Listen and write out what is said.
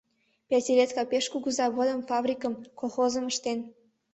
Пятилетка пеш кугу заводым-фабрикым, колхозым ыштен...